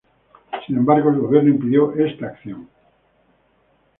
Sin embargo, el gobierno impidió esta acción.